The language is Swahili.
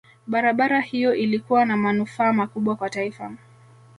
barabara hiyo ilikuwa na manufaa makubwa kwa taifa